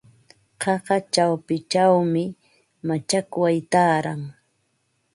Qaqa chawpinchawmi machakway taaran.